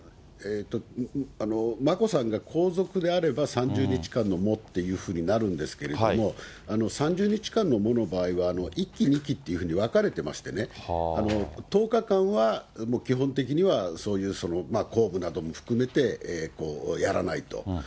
眞子さんが皇族であれば、３０日間の喪っていうふうになるんですけれども、３０日間の喪の場合は、１期、２期というふうに分かれていまして、１０日間は基本的には、そういう公務なども含めてやらないと。